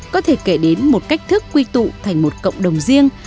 có thể kể đến một cách thức quy tụ thành một cộng đồng riêng